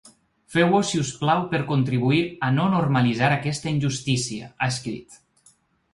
Feu-ho si us plau per contribuir a no normalitzar aquesta injustícia, ha escrit.